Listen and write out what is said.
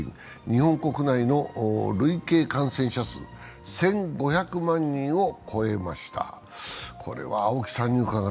日本国内の累計感染者数は１５００万人を超えました。